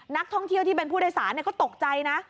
นักท่องเที่ยวที่เป็นผู้โดยสารก็ตกใจนะ